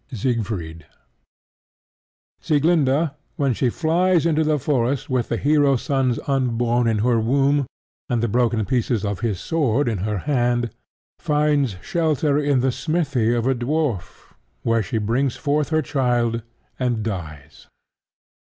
SIEGFRIED Sieglinda, when she flies into the forest with the hero's son unborn in her womb, and the broken pieces of his sword in her hand, finds shelter in the smithy of a dwarf, where she brings forth her child and dies.